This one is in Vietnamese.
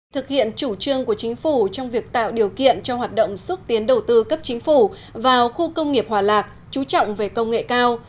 thực hiện chủ trương của chính phủ trong việc tạo điều kiện cho hoạt động xúc tiến đầu tư cấp chính phủ vào khu công nghiệp hòa lạc trú trọng về công nghệ cao